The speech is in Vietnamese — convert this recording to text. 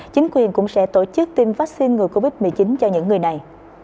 chính quyền cũng sẽ tổ chức tiêm vaccine ngừa covid một mươi chín cho những người này